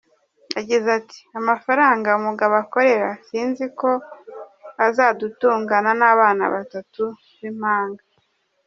Yagize ati ’’Amafaranga umugabo akorera sinzi ko azadutungana n’abana batatu b’impanga.